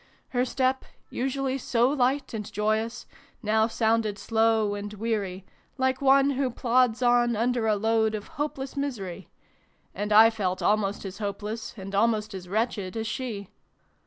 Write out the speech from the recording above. Her step, usually so light and joyous, now sounded slow and weary, like one who plods on under a load of hopeless misery ; and I felt almost as hopeless, and almost as wretched, as she.